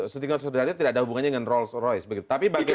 setingkat saudara tidak ada hubungannya dengan rolls royce begitu tapi bagaimana